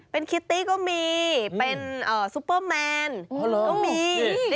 เป็นคิตตี้ก็มีเป็นซุปเปอร์แมนก็มี